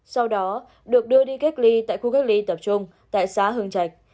sau đó được đưa đi kết ly tại khu kết ly tập trung tại xá hương trạch